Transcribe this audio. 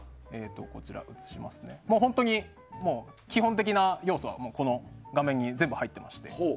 本当に基本的な要素は画面に全部入っていまして。